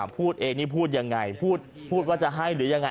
พูดเองนี่พูดยังไงพูดว่าจะให้หรือยังไง